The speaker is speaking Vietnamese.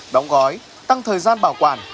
đóng gói tăng thời gian bảo quản